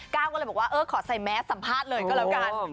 ก้าวก็เลยบอกว่าเออขอใส่แมสสัมภาษณ์เลยก็แล้วกัน